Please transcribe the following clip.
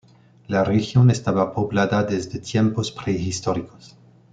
La región estaba poblada desde tiempos prehistóricos.